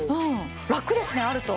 楽ですねあると。